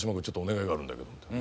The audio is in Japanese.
ちょっとお願いがあるんだけど」